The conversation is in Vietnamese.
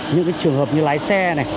những trường hợp như lái xe